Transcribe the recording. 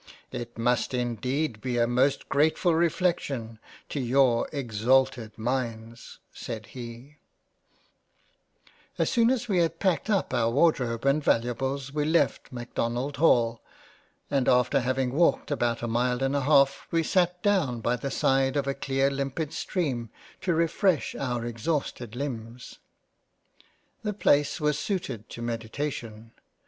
" It must indeed be a most gratefull reflection, to your exalted minds." (said he.) 28 £ LOVE AND FREINDSHIP £ j/ As soon as we had packed up our wardrobe and valuables, we left Macdonald Hall, and after having walked about a mile and a half we sate down by the side of a clear limpid stream to refresh our exhausted limbs. The place was suited to meditation.